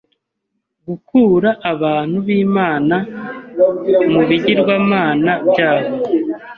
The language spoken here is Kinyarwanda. gukura abantu b’Imana mu bigirwamana byabo,